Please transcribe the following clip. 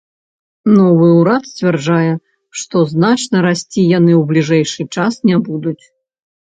Новы урад сцвярджае, што значна расці яны ў бліжэйшы час не будуць.